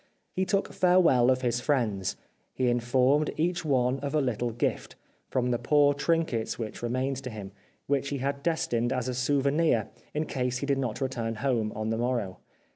He took farewell of his friends • he informed each one of a httle gift, from the poor trinkets which remained to him, which he had destined as a souvenir in case he did not return home on the morrow.